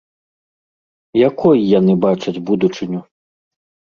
Якой яны бачаць будучыню?